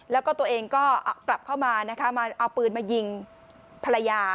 แล้วก็ตัวเองก็กลับเข้ามานะคะมาเอาปืนมายิงภรรยา